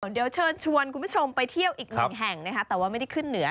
เดี๋ยวเชิญชวนคุณผู้ชมไปเที่ยวอีกหนึ่งแห่งนะคะแต่ว่าไม่ได้ขึ้นเหนือ